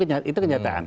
iya itu kenyataan